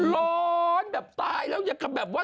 ร้อนแบบตายแล้วอย่าแบบว่า